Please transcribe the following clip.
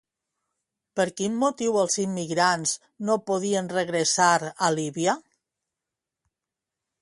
Per quin motiu els immigrants no podien regressar a Líbia?